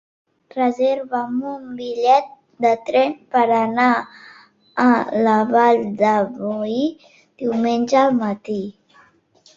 Reserva'm un bitllet de tren per anar a la Vall de Boí diumenge al matí.